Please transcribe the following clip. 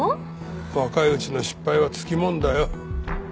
若いうちの失敗はつきもんだよ。